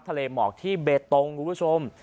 ทะเลหมอกที่เบตตงคุณผู้ชม